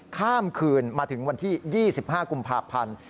ข้ามคืนมาถึงวันที่๒๕กุมภาพันธ์